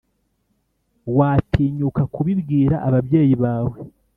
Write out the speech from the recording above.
watinyuka kubibwira ababyeyi bawe